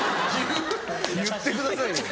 言ってくださいよ。